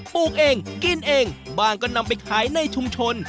ปลูกเองกินเองบ้างก็นำไปขายในชุมชน